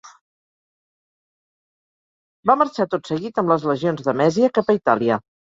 Va marxar tot seguit amb les legions de Mèsia cap a Itàlia.